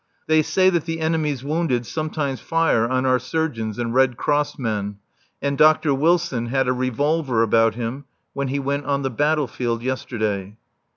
They say that the enemy's wounded sometimes fire on our surgeons and Red Cross men, and Dr. Wilson had a revolver about him when he went on the battle field yesterday.